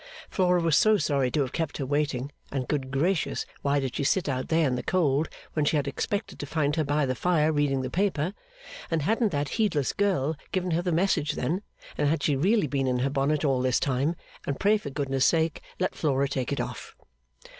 Flora was so sorry to have kept her waiting, and good gracious why did she sit out there in the cold when she had expected to find her by the fire reading the paper, and hadn't that heedless girl given her the message then, and had she really been in her bonnet all this time, and pray for goodness sake let Flora take it off!